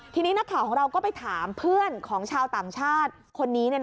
ทีนี้นักข่าวของเราก็ไปถามเพื่อนของชาวต่างชาติคนนี้